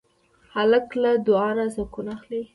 هلک له دعا نه سکون اخلي.